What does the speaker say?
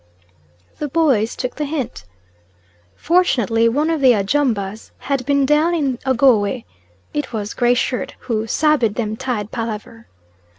The boys took the hint. Fortunately one of the Ajumbas had been down in Ogowe, it was Gray Shirt, who "sabed them tide palaver."